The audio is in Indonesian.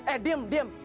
eh diam diam